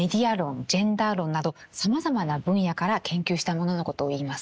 ジェンダー論などさまざまな分野から研究したもののことをいいます。